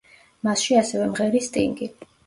მასში ასევე მღერის სტინგი.